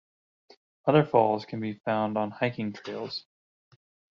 Other falls can be found on hiking trails.